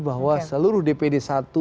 bahwa seluruh dpd satu